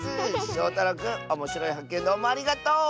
しょうたろうくんおもしろいはっけんどうもありがとう！